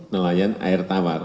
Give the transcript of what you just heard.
nelayan air tawar